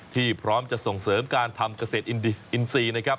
พร้อมจะส่งเสริมการทำเกษตรอินทรีย์นะครับ